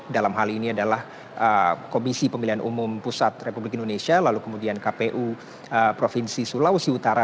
dalam hal ini adalah komisi pemilihan umum pusat republik indonesia lalu kemudian kpu provinsi sulawesi utara